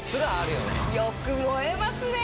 よく燃えますねぇ！